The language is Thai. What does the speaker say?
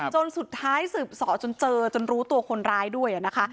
จนสุดท้ายสืบสอจนเจอจนรู้ตัวคนร้ายด้วยนะคะ